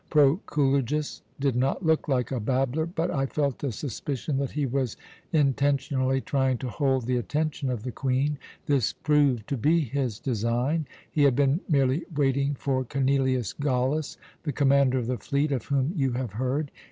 Proculejus did not look like a babbler, but I felt a suspicion that he was intentionally trying to hold the attention of the Queen. This proved to be his design; he had been merely waiting for Cornelius Gallus, the commander of the fleet, of whom you have heard.